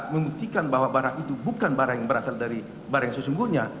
membuktikan bahwa barang itu bukan barang yang berasal dari barang yang sesungguhnya